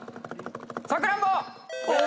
さくらんぼ！